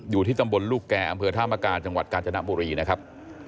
อยู่ที่ตำบลลูกแก่อำเภอธามกาจังหวัดกาญจนบุรีนะครับ